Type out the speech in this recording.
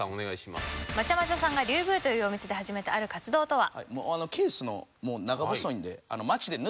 まちゃまちゃさんが龍宮というお店で始めたある活動とは？